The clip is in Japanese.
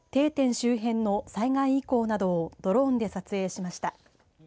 周辺の災害遺構などをドローンで撮影しました。